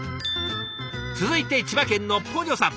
続いて千葉県のポニョさん。